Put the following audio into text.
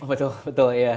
betul betul ya